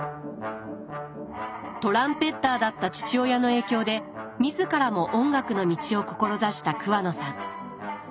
トランペッターだった父親の影響で自らも音楽の道を志した桑野さん。